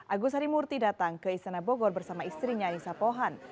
agus harimurti datang ke istana bogor bersama istrinya anissa pohan